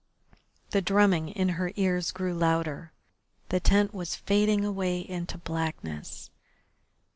The drumming in her ears grew louder, the tent was fading away into blackness.